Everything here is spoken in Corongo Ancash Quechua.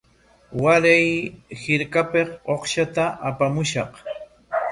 Waray hirpapik uqshata apamushaq.